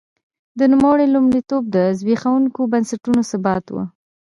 د نوموړي لومړیتوب د زبېښونکو بنسټونو ثبات و.